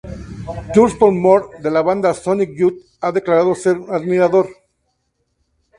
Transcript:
Thurston Moore de la banda Sonic Youth ha declarado ser un admirador.